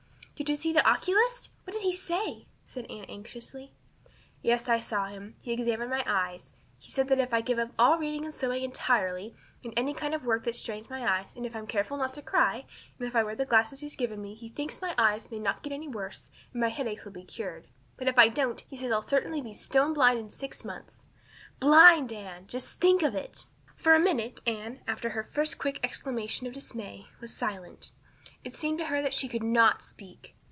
"Did you see the oculist? What did he say?" asked Anne anxiously. "Yes, I saw him. He examined my eyes. He says that if I give up all reading and sewing entirely and any kind of work that strains the eyes, and if I'm careful not to cry, and if I wear the glasses he's given me he thinks my eyes may not get any worse and my headaches will be cured. But if I don't he says I'll certainly be stone blind in six months. Blind! Anne, just think of it!" For a minute Anne, after her first quick exclamation of dismay, was silent. It seemed to her that she could not speak.